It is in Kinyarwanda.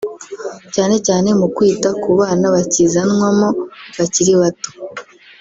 cyane cyane mu kwita ku bana bakizanwamo bakiri bato